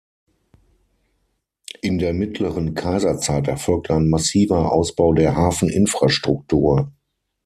In der mittleren Kaiserzeit erfolgte ein massiver Ausbau der Hafeninfrastruktur.